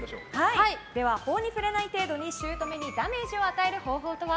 では、法に触れない程度に姑にダメージを与える方法とは？